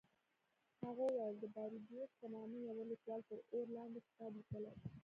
هغه وویل د باربیوس په نامه یوه لیکوال تر اور لاندې کتاب لیکلی.